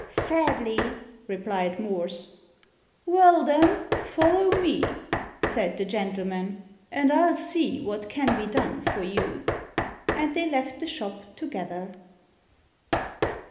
"Sadly," replied Morse. "Well, then, follow me," said the gentleman, "and I'll see what can be done for you." And they left the shop together.